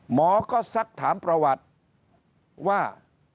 หมอก็สักถามประวัติว่า